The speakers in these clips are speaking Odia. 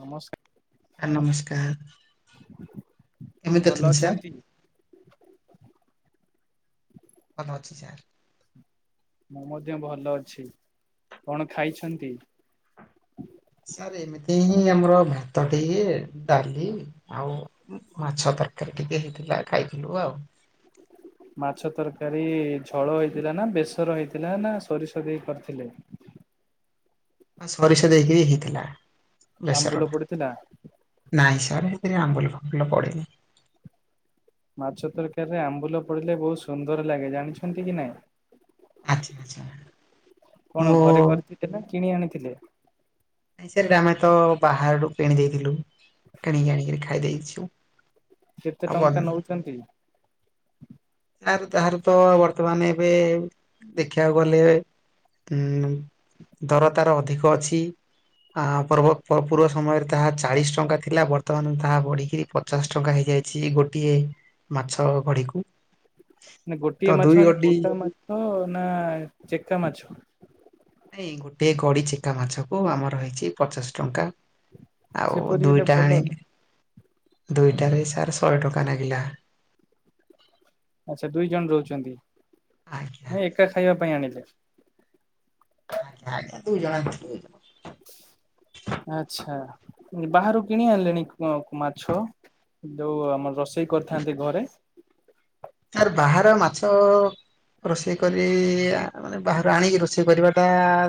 ନମସ୍କାର। ଆ ନମସ୍କାର। କେମିତି ଭଲ ସାର୍ ଅଛନ୍ତି? ଭଲ ଅଛି ସାର୍। ମୁଁ ମଧ୍ୟ ଭଲ ଅଛି କଣ ଖାଇଛନ୍ତି? ସାର୍ ଏମିତି ହିଁ ଆମର ଭାତ ଟିଏ ଡାଲି ଆଉ ମାଛ ତରକାରୀ ଟିକେ ହେଇଥିଲା ଖାଇଥିଲୁ ଆଉ। ମାଛ ତରକାରୀ ଝୋଳ ହେଇଥିଲା ନା ବେସର ହେଇଥିଲା ନା ସୋରିଷ ଦେଇ କରିଥିଲେ? ସୋରିଷ ଦେଇକି ହେଇଥିଲା ଆମ୍ବୁଲ ବେସର ଟା। ପଡିଥିଲା ନାଇଁ ସାର୍ ସେଥିରେ ଆମ୍ବୁଲ ଫାମ୍ବୁଲ ପଡେନି। ମାଛ ତରକାରୀରେ ଆମ୍ବୁଲ ପଡିଲେ ବହୁତ ସୁନ୍ଦର ଲାଗେ ଜାଣିଛନ୍ତି କି ନାଇଁ? ଆଚ୍ଛା ଆଚ୍ଛା କଣ ମୁଁ ଘରେ କରିଥିଲେ ନା କିଣି ଆଣିଥିଲେ? ନାଇଁ ସାର୍ ଆମେ ତ ବାହାରୁ କିଣି ଦେଇଥିଲୁ କିଣିକି ଆଣିକିରି ଖାଇ ଦେଇଛୁ। କେତେ ଆଉ ବନ ଟଙ୍କା ନଉଚନ୍ତି? ଆ ତାହାର ତ ବର୍ତ୍ତମାନ ଏବେ ଦେଖିବାକୁ ଗଲେ ଉ ଦର ତାର ଅଧିକ ଅଛି। ଆ ପର୍ବ ପୂର୍ବ ସମୟରେ ତାହା ଚାଳିସି ଟଙ୍କା ଥିଲା ବର୍ତ୍ତମାନ ତାହା ବଢିକିରି ପ ପଚାଶ ଟଙ୍କା ହେଇଯାଇଛି ଗୋଟିଏ ମାଛ ଗଡିକୁ। ନାଁ ଗୋଟିଏ ମାଛ ମାନେ ଗୋଟା ମାଛ ନା ଚେକା ମାଛ? ନାଇ ଗୋଟିଏ କଡି ଚେକା ମାଛକୁ ଆମର ହେଇଛି ପଚାଶ ଟଙ୍କା। ଆଉ ସେପରି ହେଲେ ଦୁଇଟା ଭଲ ତ ଆଣିଲି ଦୁଇଟାରେ ସାର୍ ଶହେ ଟଙ୍କା ନାଗିଲା। ଆଚ୍ଛା ଦୁଇ ଜଣ ରହୁଛନ୍ତି ଆଜ୍ଞା ନାଁ ଏକା ଖାଇବା ପାଇଁ ଆଣିଲେ? ଆଜ୍ଞା ଆଜ୍ଞା ଦୁଇ ଜଣ [unintelligible] ଆଛା ବାହାରୁ କିଣି ଆଣିଲେଣି ମାଛ। ଯୋଉ ଆମର ରୋଷେଇ କରିଥାନ୍ତେ ଘରେ। ସାର୍ ବାହାର ମାଛ ଅ ରୋଷେଇ କରି ଆ ମାନେ ବାହାରୁ ଆଣିକି ରୋଷେଇ କରିବାଟା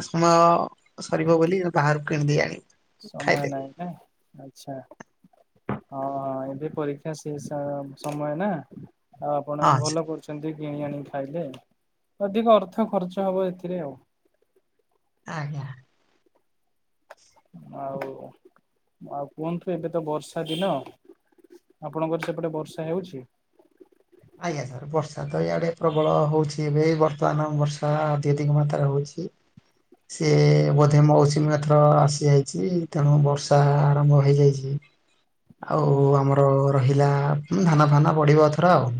ସମ୍ଭବ ସରିବ ବୋଲି ବାହାରୁ କିଣିଦେଇ ଆଣିଲୁ। ସମୟ ନାଇଁ ନା। ଆଛା ହଁ ହଁ ଏବେ ପରୀକ୍ଷା ସେ ସ ସମୟ ନା। ଆଉ ଆପଣ ହଁ ବି ଆଚ୍ଛା ଭଲ କରୁଛନ୍ତି କିଣି ଆଣିି ଖାଇଲେ ଅଧିକ ଅର୍ଥ ଖର୍ଚ୍ଚ ହବ ଏଥିରେ ଆଉ। ଆଜ୍ଞା। ଆଉ ଆଉ କୁହନ୍ତୁ ଏବେ ତ ବର୍ଷା ଦିନ। ଆପଣଙ୍କର ସେପଟେ ବର୍ଷା ହେଉଛି? ଆଜ୍ଞା ସାର୍ ବର୍ଷା ତ ଇଆଡେ ପ୍ରବଳ ହଉଛି ଏବେ ବର୍ତ୍ତମାନ ବର୍ଷା ଅଧି ଅଧିକ ମାତ୍ରାରେ ହଉଛି। [inaudible] ସେ ବୋଧେ ମୌସୁମୀ ଆ ଥର ଆସିଯାଇଚି ତେଣୁ ବର୍ଷା ଆରମ୍ଭ ହେଇଯାଇଚି। ହୁଁ ଆଉ ଆମର ରହିଲା ହୁଁ ଧାନ ଫାନ ବଢିବ ଏଥର ଆଉ।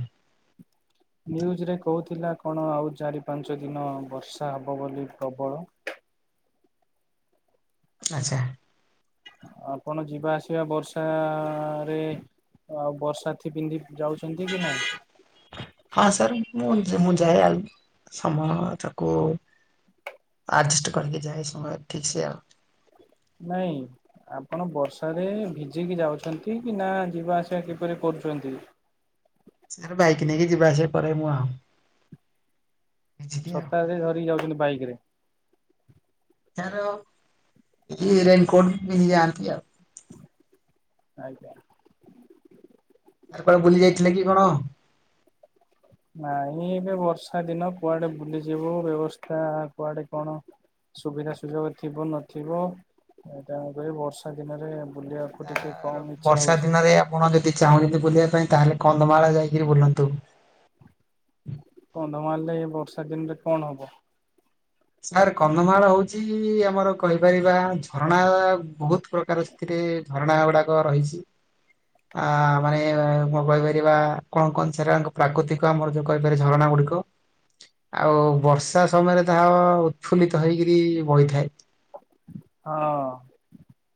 ନ୍ୟୁଜରେ କହୁଥିଲା କଣ ଆଉ ଚାରି ପାଞ୍ଚ ଦିନ ବର୍ଷା ହବ ବୋଲି ପ୍ରବଳ। ଆଛା। ଆପଣ ଯିବା ଆସିବା ବର୍ଷା ରେ ଆଉ ବର୍ଷାଥି ପିନ୍ଧିକି ଯାଉଚ ଛନ୍ତି କି ନାଇଁ। ହଁ ସାରେ ମୁଁ ଯା ମୁଁ ଯାଏ ଆଉ ସମୟ ତାକୁ ଆଡଜଷ୍ଟ କରିକି ଯାଏ ସମୟ ଠିକ୍ ସେ ଆଉ। ନାଇଁ ଆପଣ ବର୍ଷା ରେ ଭିଜିକି ଯାଉଛନ୍ତି କି ନା ଯିବା ଆସିବା କିପରି କରୁଛନ୍ତି। ସାରେ ବାଇକି ନେଇକି ଯିବା ଆସିବା କରେ ମୁଁ ଆଉ। ଭିଜିକି ଆଉ। ଛତା ସେ ଧରିକି ଯାଉଛନ୍ତି ବାଇକିରେ। ତାର ହୁଁ ରେନିକୋଟ୍ ପିନ୍ଧିକି ଯାଆନ୍ତି ଆଉ। ଆଜ୍ଞା। ହାଡେ କୁଆଡେ ବୁଲି ଯାଇଥିଲେ କି କଣ? ନାଇଁ ଏବେ ବର୍ଷା ଦିନ କୁଆଡେ ବୁଲିଯିବୁ ବ୍ୟବସ୍ଥା କୁଆଡେ କଣ? ସୁବିଧା ସୁଯୋଗ ଥିବ ନଥିବ ତେଣୁକରି ବର୍ଷା ଦିନରେ ବୁଲିବା ଓ ଟିକେ ସାର୍ କମ୍ ଇଚ୍ଛା ବର୍ଷା ହଉଛି। ଦିନରେ ଆପଣ ଯଦି ଚାହୁଁଛନ୍ତି ବୁଲିବା ପାଇଁ ତାହେଲେ କନ୍ଧମାଳ ଯାଇକିରି ବୁଲନ୍ତୁ। କନ୍ଧମାଲ ରେ ଏ ବର୍ଷା ଦିନରେ କଣ ହବ। ସାର୍ କନ୍ଧମାଳ ହଉଛି ଆମର କହିପାରିବା ଝରଣା ବହୁତ ପ୍ରକାର ଏଥିରେ ଝରଣା ଗୁଡ଼ାକ ରହିଛି। ଆ ମାନେ କଣ କହିପାରିବା କଣ କହନ୍ତି ସେଟା ପ୍ରାକୃତିକ ଆମର ଯୋଉ କହିପାରିବା ଝରଣା ଗୁଡ଼ିକ ଆଉ ବର୍ଷା ସମୟରେ ତାହା ଉତ୍ଫୁଲିତ ହେଇକିରି ବହିଥାଏ। ହଁ।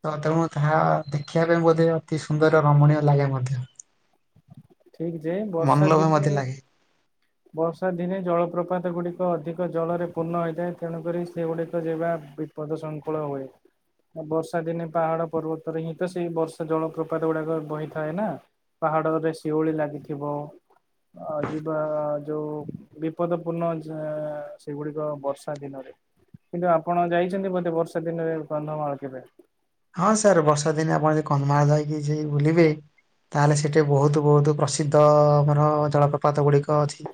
ତ ତେଣୁ ତାହା ଦେଖିବା ପାଇଁ ବୋଧେ ଅତି ସୁନ୍ଦର ରମଣୀୟ ଲାଗେ ମଧ୍ୟ। ଠିକ ଯେ ବର୍ଷା ମନଲୋଭା ଦିନେ ମତେ ଲାଗେ। ବର୍ଷା ଦିନେ ଜଳପ୍ରପାତ ଗୁଡିକ ଅଧିକ ଜଳରେ ପୂର୍ଣ୍ଣ ହୋଇଥାଏ ତେଣୁକରି ସେଗୁଡିକ ଯିବା ବି ପଦ ଶୃଙ୍ଖଳ ହୁଏ। ବର୍ଷା ଦିନେ ପାହାଡ଼ ପର୍ବତରେ ହିଁ ତ ସେଇ ବର୍ଷା ଜଳପ୍ରପାତ ଗୁଡ଼ାକ ବହିଥାଏ ନା। ପାହାଡ଼ରେ ଶିଉଳି ଲାଗିଥିବ ଅ ଯିବା ଯୋଉ ବିପଦ ପୂର୍ଣ୍ଣ ଝେ ସେଗୁଡିକ ବର୍ଷା ଦିନରେ। କିନ୍ତୁ ଆପଣ ଯାଇଛନ୍ତି ବୋଧେ ବର୍ଷା ଦିନରେ କନ୍ଧମାଳ କେବେ? ହଁ ସାର୍ ବର୍ଷା ଦିନେ ଆପଣ ଯଦି କନ୍ଧମାଳ ଯାଇକି ଜି ବୁଲିବେ ତାହେଲେ ସେଠି ବହୁତ ବହୁତ ପ୍ରସିଦ୍ଧ ଆମର ଜଳପ୍ରପାତ ଗୁଡିକ ଅଛି।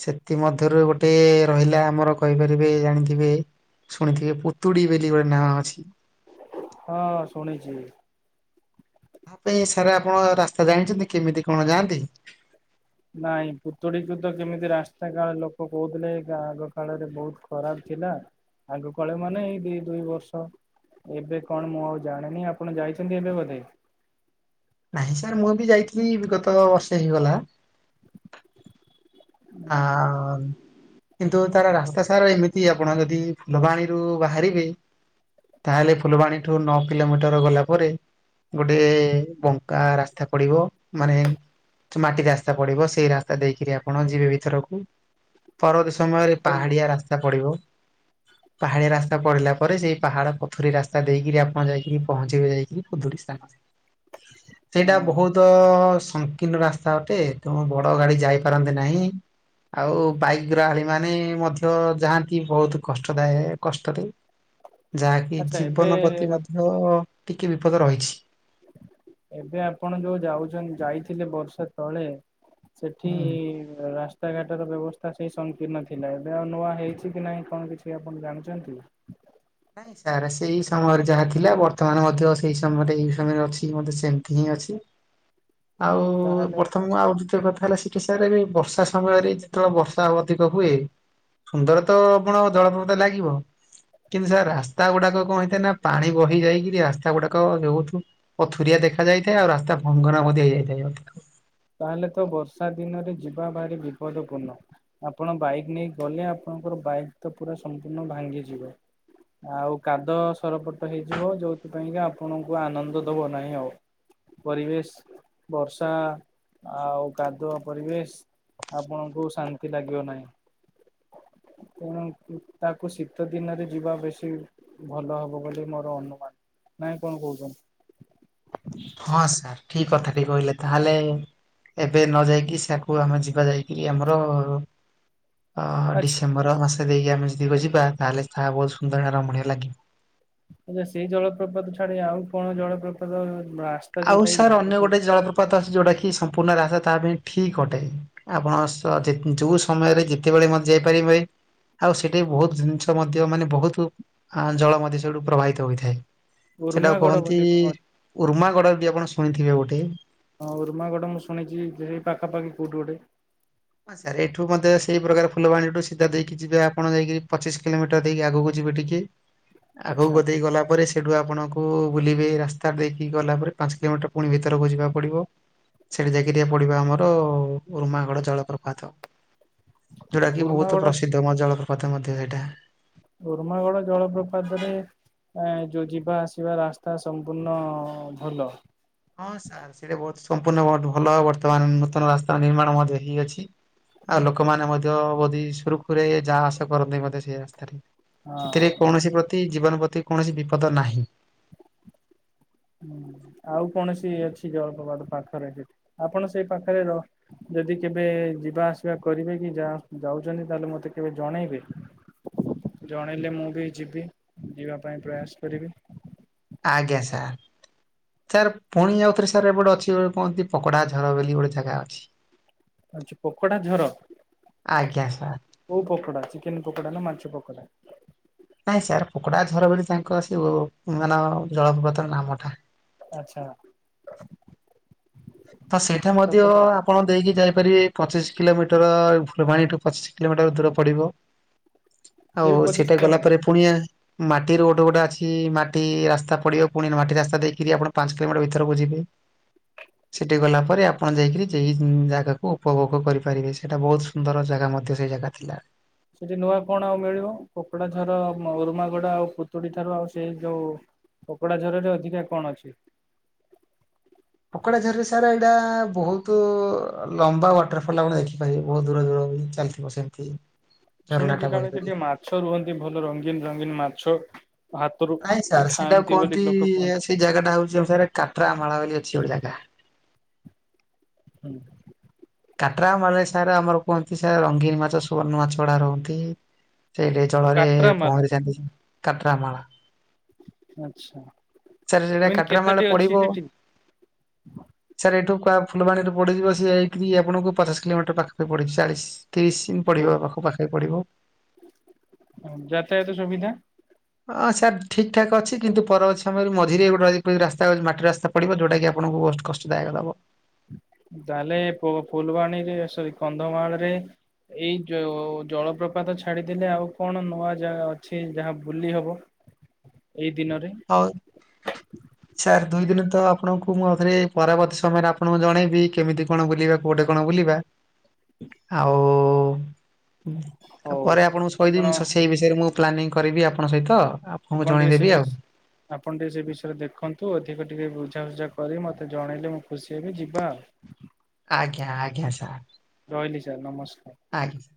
ସେଥିମଧ୍ୟରୁ ଗୋଟେ ରହିଲା ଆମର କହିପାରିବେ ଜାଣିଥିବେ ଶୁଣିଥିଲି ପୁତୁଡ଼ି ବେଲି ଗୋଟେ ନାଁ ଅଛି। ହଁ ଶୁଣିଚି। ଆପେ ସାର୍ ଆପଣ ରାସ୍ତା ଜାଣିଛନ୍ତି କେମିତି କଣ ଯାଆନ୍ତି। ନାଇଁ ପୁତୁଡ଼ିକୁ ତ କେମିତି ରାସ୍ତା କାଳେ ଲୋକ କହୁଥିଲେ ଏ ଆଗ କାଳରେ ବହୁତ ଖରାପ ଥିଲା। ଆଗ କାଳେ ମାନେ ଏଇ ଦି ଦୁଇ ବର୍ଷ। ଏବେ କଣ ମୁଁ ଆଉ ଜାଣିନି ଆପଣ ଯାଇଛନ୍ତି ଏବେ ବୋଧେ? ନାହିଁ ସାର୍ ମୁଁ ବି ଯାଇଥିଲି ବିଗତ ବର୍ଷେ ହେଇଗଲା। ଆ କିନ୍ତୁ ତାର ରାସ୍ତା ସାରା ଏମିତି ଆପଣ ଯଦି ଫୁଲବାଣୀରୁ ବାହାରିବେ ତାହେଲେ ଫୁଲବାଣୀଠୁ ନଅ କିଲୋମିଟର ଗଲା ପରେ ଗୋଟେ ବଙ୍କା ରାସ୍ତା ପଡ଼ିବ ମାନେ ମାଟି ରାସ୍ତା ପଡ଼ିବ ସେଇ ରାସ୍ତା ଦେଇକିରି ଆପଣ ଯି ଯିବେ ଭିତରକୁ। ପରବର୍ତ୍ତୀ ସମୟରେ ହୁଁ ପାହାଡିଆ ରାସ୍ତା ପଡ଼ିବ। ପାହାଡ଼ିଆ ରାସ୍ତା ପଡ଼ିଲା ପରେ, ସେଇ ପାହାଡ଼ ପଥୁରି ରାସ୍ତା ଦେଇକି ରି ଆପଣ ଯାଇକି ପହଞ୍ଚିବେ ଯାଇକରି [unintelligible] ସ୍ଥାନ। ସେଇଟା ହଁ ବହୁତ ସଂକୀର୍ଣ୍ଣ ରାସ୍ତା ଅଟେ। ତେଣୁ ବଡ଼ ଗାଡ଼ି ଯାଇପାରନ୍ତି ନାହିଁ। ଆଉ ବାଇକ ଗ୍ରହାଳି ମାନେ ମଧ୍ୟ ଯାଆନ୍ତି ବହୁତ କଷ୍ଟଦାୟକ କଷ୍ଟରେ। ଯାହାକି ଆଚ୍ଛା ଜୀବନ ପ୍ରତି ଏବେ ମଧ୍ୟ ଟିକେ ବିପଦ ରହିଛି। ଏବେ ଆପଣ ଯୋଉ ଯାଉଛନ୍ତି - ଯାଇଥିଲେ ବର୍ଷା ତଳେ ସେଠି ହୁଁ। ରାସ୍ ରାସ୍ତାଘାଟର ବ୍ୟବସ୍ଥା ସେଇ ସଂକୀର୍ଣ୍ଣ ଥିଲା। ଏବେ ଆଉ ନୂଆ ହେଇଛି କି ନାହିଁ କଣ କିଛି ଆପଣ ଜାଣିଛନ୍ତି? ନାଇଁ ସାର୍, ସେଇ ସମୟରେ ଯାହା ଥିଲା ବର୍ତ୍ତମାନ ମଧ୍ୟ ସେଇ ସମୟରେ ଏଇ ସମୟରେ ଅଛି ମଧ୍ୟ ସେମିତି ହିଁ ଅଛି। ଆଉ ତାହେଲେ ବର୍ତ୍ତମାନ ଆଉ ଦ୍ଵିତୀୟ କଥା ହେଲା ସେଠି ସାର୍ ଏବେ ବର୍ଷା ସମୟରେ ଯେତେବେଳେ ବର୍ଷା ଅଧିକ ହୁଏ ସୁନ୍ଦର ତ ଆପଣଙ୍କୁ ଜଳପ୍ରପାତ ଲାଗିବ। କିନ୍ତୁ ସାର୍ ରାସ୍ତା ଗୁଡ଼ାକ କଣ ହେଇଥାନ୍ତି ନା, ପାଣି ବହି ଯାଇକିରି ରାସ୍ତା ଗୁଡ଼ାକ [unintelligible] ପଥୁରିଆ ଦେଖା ଯାଇଥାଏ। ଆଉ ରାସ୍ତା ଭଙ୍ଗଣା ମଧ୍ୟ ହେଇ ଯାଇଥାଏ ଅଧିକ। ତାହେଲେ ତ ବର୍ଷା ଦିନରେ ଯିବା ଭାରି ବିପଦ ପୂର୍ଣ୍ଣ। ଆପଣ ବାଇକ୍ ନେଇ ଗଲେ ଆପଣଙ୍କର ବାଇକ୍ ତ ପୁରା ସମ୍ପୂର୍ଣ୍ଣ ଭାଙ୍ଗିଯିବ। ଆଉ କାଦ ସରପଟ ହେଇଯିବ ଯୋଉଥିପାଇଁ କା ଆପଣଙ୍କୁ ଆନନ୍ଦ ଦବ ନାହିଁ ଆଉ ପରିବେଶ, ବର୍ଷା ଆଉ କାଦୁଆ ପରିବେଶ ଆପଣଙ୍କୁ ଶାନ୍ତି ଲାଗିବ ନାହିଁ। ତେଣୁ ତାକୁ ଶୀତ ଦିନରେ ଯିବା ବେଶୀ ଭଲ ହବ ବୋଲି ମୋର ଅନୁମାନ। ନାଇଁ କଣ କହୁଛନ୍ତି? ହଁ ସାର୍, ଠିକ କଥା ଟିକେ କହିଲେ ତାହେଲେ ଏବେ ନ ଯାଇକି ସେକୁ ଆମେ ଯିବା ଯାଇକରି ଆମର ଅ ଆଚ୍ଛା ଡିସେମ୍ବର ମାସ ଦେଇକି ଆମେ ଯଦି ଯିବା ତାହେଲେ ତାହା ବହୁତ ସୁନ୍ଦର, ରମଣୀୟ ଲାଗିବ। ଆଚ୍ଛା ସେଇ ଜଳପ୍ରପାତ ଛାଡ଼ି ଆଉ କଣ ଜଳପ୍ରପାତ ରା ଆଉ ସାର୍ ଅନ୍ୟ ଗୋଟେ ଜଳପ୍ରପାତ ଅଛି ଯୋଉଟା କି ସମ୍ପୂର୍ଣ୍ଣ ରାସ୍ତା ତା ପାଇଁ ଠିକ ଅଟେ। ଆପଣ ଯୋଉ ସମୟରେ ଯେତେବେଳେ ମଧ୍ୟ ଯାଇପାରିବେ। ଆଉ ସେଠି ବହୁତ ଜିନିଷ ମଧ୍ୟ ମାନେ ବହୁତ ଜଳ ମଧ୍ୟ ସେଇଠୁ ପ୍ରବାହିତ ହୋଇଥାଏ। ସେଟାକୁ ଉର୍ମାଗଡ କହନ୍ତି, ବୋଲି କଣ ଅଛି? ଉର୍ମାଗଡ଼ ଯଦି ଆପଣ ଶୁଣିଥିବେ ଗୋଟେ‌ ହଁ, ଉର୍ମାଗଡ଼ ମୁଁ ଶୁଣିଛି ଏଇ ପାଖାପାଖି କୋଉଠି ଗୋଟେ। ହଁ ସାର୍, ଏଇଠୁ ମଧ୍ୟ ସେଇ ପ୍ରକାର ଫୁଲବାଣୀଠୁ ସିଧା ଦେଇକି ଯିବେ ଆପଣ ଯାଇକି ପଚିଶ କିଲୋମି ମିଟର ଦେଇକି ଆଗକୁ ଯିବେ ଟିକେ। ଆଚ୍ଛା ଆଗକୁ ଦେଇ ଗଲା ପରେ ସେଠୁ ଆପଣଙ୍କୁ ବୁଲିବେ ରାସ୍ତ ଦେଇକି ଗଲା ପରେ ପାଞ୍ଚ କିଲୋମିଟର ପୁଣି ଭିତରକୁ ଯିବାକୁ ପଡ଼ିବ। ସେଠି ଯାଇକି ଟିକେ ପଡ଼ିବ ଆମର ଉର୍ମାଗଡ଼ ଜଳ ଜଳପ୍ରପାତ। ଯୋଉଟା କିି ବହୁତ ଉର୍ମାଗଡ ପ୍ରସିଦ୍ଧ ଜଳପ୍ରପାତ ମଧ୍ୟ ସେଇଟା। ଉର୍ମାଗଡ଼ ଜଳପ୍ରପାତ ରେ ଯଉ ଯିବା ଆସିବା ରାସ୍ତା ସମ୍ପୂର୍ଣ୍ଣ ଭଲ? ହଁ ସାର୍, ସେଇଟା ବହୁତ ସମ୍ପୂର୍ଣ୍ଣ ବହୁତ ଭଲ। ବର୍ତ୍ତମାନ ନୂତନ ରାସ୍ତାର ନିର୍ମାଣ ମଧ୍ୟ ହେଇ ଅଛି। ଆଉ ଲୋକମାନେ ମଧ୍ୟ ବହୁତ ହିଁ ସୁରୁଖୁରୁରେ ଯାଆ ଆସ କରନ୍ତି ମଧ୍ୟ ସେଇ ରାସ୍ତାରେ। ସେଥିରେ ହଁ। କୌଣସି ପ୍ରତି ଜୀବନ ପ୍ରତି କୌଣସି ବିପଦ ନାହିଁ। ହୁଁ, ଆଉ କୌଣସି ଅଛି ଜଳପ୍ରପାତ ପାଖରେ [unintelligible] ଆପଣ ସେଇ ପାଖରେ ର ଯଦି କେବେ ଯିବା ଆସିବା କରିବେ କି ଯାଉଛନ୍ତି, ତାହେଲେ ମତେ କେବେ ଜଣେଇବେ। ଜଣେଇଲେ ମୁଁ ବି ଯିବି। ଯିବା ପାଇଁ ପ୍ରୟାସ କରିବି। ଆଜ୍ଞା ସାର୍। ସାର୍ ପୁଣି ଆଉଥରେ ସାର୍ ଏପଟେ ଅଛି ଗୋଟେ କୁହନ୍ତି, ପକୋଡ଼ା ଝର ବୋଲି ଗୋଟେ ଜାଗା ଅଛି। ଆଚ୍ଛା ପକୋଡ଼ା ଝର? ଆଜ୍ଞା ସାର୍ କୋଉ ପକୋଡ଼ା? ଚିକେନ ପକୋଡ଼ା ନା ମାଛ ପକୋଡ଼ା? ନାଇଁ ସାର୍ ପକୋଡ଼ା ଝର ବୋଲି ତାଙ୍କ ସେ ମାନେ ଜଳପ୍ରପାତର ନାମଟା। ଆଚ୍ଛା। ହଁ ସେଇଟା ସେଟା ମଧ୍ୟ ଭଲ ଆପଣ ଦେଇକି ଯାଇ ପାରିବେ ପଚିଶ କିଲୋମିଟର ଫୁଲବାଣୀଠୁ ପଚିଶ କିଲୋମିଟର ଦୂର ପଡ଼ିବ। ସେ ଆଉ ବି ପଚିଶ ସେଇଟା ଗଲା କିଲୋମିଟର। ପରେ ପୁଣିଆ ମାଟି ରୋଡ୍ ଗୋଟା ଅଛି ମାଟି ରାସ୍ତା ପଡିବ ପୁଣି ନୁ ମାଟି ରାସ୍ତା ଦେଇକିରି ଆପଣ ପାଞ୍ଚ କିଲୋମିଟର ଭିତରକୁ ଯିବେ। ସେଠି ଗଲା ପରେ ଆପଣ ଯାଇକିରି ଯେହି ଜାଗାକୁ ଉପଭୋଗ କରିପାରିବେ ସେଇଟା ବହୁତ ସୁନ୍ଦର ଜାଗା ମଧ୍ୟ ସେଇ ଜାଗା ଥିଲା। ସେଠି ନୂଆ କଣ ଆଉ ମିଳିବ କୋକଡା ଝର ଉରୁମାଗଡା ଆଉ ପୁତୁଡି ଠାରୁ ଆଉ ସେଇ ଯୋଉ କକୁଡାଝରରେ ଅଧିକା କଣ ଅଛି? କୋକଡା ଝରରେ ସାରା ଏଇଟା ବହୁତ ଲମ୍ବା ୱାଟରଫଲ ଆପଣ ଦେଖି ପାରିବେ ବହୁତ ଦୂର ଦୂର ବି ଚାଲି ବ ସେନ୍ତି। ଶୁଣିଚି କାଳେ ସେଠି ମାଛ ରୁହନ୍ତି ଭଲ ରଙ୍ଗୀନ ରଙ୍ଗୀନ ମାଛ। ହାତରୁ ନାଇଁ ସାର୍ ସେଟା ଖାଆନ୍ତି ବୋଲି କୁହନ୍ତି ଲୋକ କୁହନ୍ତି। ସେଇ ଜାଗାଟା ହଉଛି ମରେ କାଟ୍ରା ମାଳା ବୋଲି ଅଛି ଗୋଟେ ଜାଗା। ହୁଁ। କାତ୍ରାମାଳା ରେ ସାର୍ ଆମର କୁହନ୍ତି ସାର ରଙ୍ଗୀନୀ ମାଛ ସୁବର୍ଣ୍ଣ ମାଛ ଗୁଡା ରୁହନ୍ତି। ସେଇଠେ ଜଳରେ କାଟ୍ରା ମାଲ ପହଁରିଛନ୍ତି କାଟ୍ର ମାଳା। ଆଚ୍ଛା ସାର୍ ସେଟା ଏମିତି କାଟ୍ରା କେତେଟି ମାଳା ଅଛି ପଡିବ। ସେଠି? ସାର୍ ଏଠୁ କା ଫୁଲବାଣୀରେ ପଡିଯିବ ସିଆଇ ଫ୍ରି ଆପଣଙ୍କୁ ପଚାଶ କିଲୋମିଟର ପାଖ ପଡ଼ିବି ଚାଳିଶ ତିରିଶ ଇମ ପଡ଼ିବ ପାଖ ପାଖି ପଡ଼ିବ। ଯାତାୟାତ ସୁବିଧା? ଅଁ, ଆଚ୍ଛା ଠିକ୍ ଠାକ୍ ଅଛି କିନ୍ତୁ ପରବର୍ତ୍ତି ସମୟରେ ମଝିରେ ଗୋଟେ [inaudible] ରାସ୍ତା ଅଛି ମାଟି ରାସ୍ତା ପଡ଼ିବ ଯଉଟା କି ଆପଣଙ୍କୁ ବହୁତ କଷ୍ଟଦାୟକ ଦବ। ତାହେଲେ ଫୁ-ଫୁଲବାଣୀରେ ସରି କନ୍ଧମାଳ ରେ ଏଇ ଯୋ ଜଳପ୍ରପାତ ଛାଡିଦେଲେ ଆଉ କଣ ନୂଆ ଜାଗା ଅଛି ଯାହା ବୁଲି ହବ। ଏଇ ଦିନରେ ହଉ। ସାର୍ ଦୁଇ ଦିନ ତ ଆପଣଙ୍କୁ ମୁଁ ଆଉଥରେ ପରବର୍ତ୍ତୀ ସମୟରେ ଆପଣଙ୍କୁ ଜଣେଇବି କେମିତି କଣ ବୁଲିବାକୁ ଗୋଟେ କଣ ବୁଲିବା। ଆଉ ଉଁ ଆଉ ହଉ ପରେ ଆପଣଙ୍କୁ ଆପଣ କହିଦେବି ସେଇ ବିଷୟରେ ମୁଁ ପ୍ଲାନିଂ କରିବି ଆପଣଙ୍କ ସହିତ ଆ ଆପଣ ଟିକେ ସେ ବିଚ ଆପଣ ଟିକି ସେ ବିଷୟରେ ଦେଖନ୍ତୁ ଅଧିକ ଟିକିଏ ବୁଝାସୁଝା କରି ମୋତେ ଜଣେଇଲେ ମୁଁ ଖୁସି ହେବି ଯିବା ଆଉ। ଆଜ୍ଞା ଆଜ୍ଞା ସାର୍। ରହିଲି ସାର୍ ନମସ୍କାର। ଆଜ୍ଞା।